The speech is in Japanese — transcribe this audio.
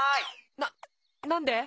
な何で？